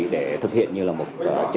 để thực hiện như là một